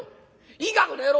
いいかこの野郎！